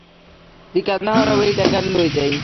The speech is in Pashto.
د کندهار هوايي ډګر لوی دی